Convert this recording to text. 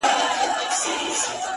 ياد مي دي تا چي شنه سهار كي ويل،